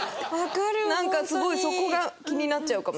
なんかすごいそこが気になっちゃうかも。